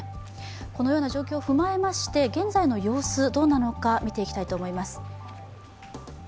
このような状況を踏まえまして現在の様子、どうなのか見ていきたいと思います。